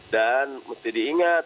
dan mesti diingat